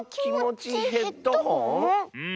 うん。